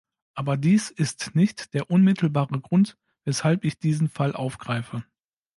Aber dies ist nicht der unmittelbare Grund, weshalb ich diesen Fall aufgreife.